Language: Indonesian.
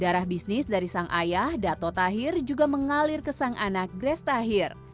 darah bisnis dari sang ayah dato tahir juga mengalir ke sang anak grace tahir